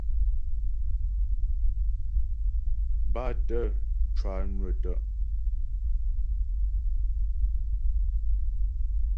Bátə̀ cwànwə̀ tə'.